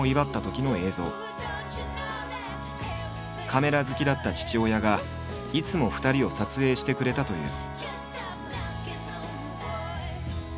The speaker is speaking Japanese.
カメラ好きだった父親がいつも２人を撮影してくれたという。